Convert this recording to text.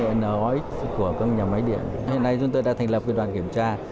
hệ thống sox của các nhà máy điện hiện nay chúng ta đã thành lập cái đoàn kiểm tra